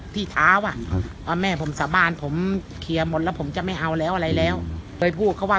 ที่ท้าวอ่ะแม่ผมสะบานผมเคลียร์หมดแล้วผมจะไม่เอาแล้วอ่ะอะไรแล้วตขวัด